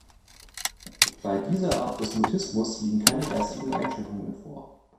Bei dieser Art des Mutismus liegen keine geistigen Einschränkungen vor.